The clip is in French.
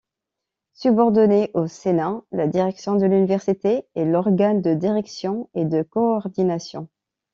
Subordonnée au sénat, la direction de l’université est l’organe de direction et de coordination.